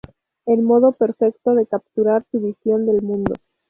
El modo perfecto de capturar su visión del mundo.